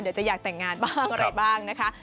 อยากจะอยากแต่งงานบ้างอะไรบ้างนะคะ